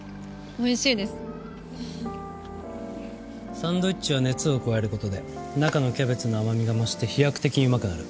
サンドイッチは熱を加える事で中のキャベツの甘みが増して飛躍的にうまくなる。